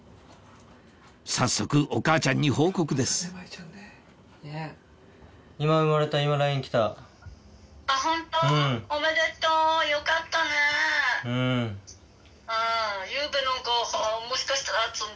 早速お母ちゃんに報告ですうん。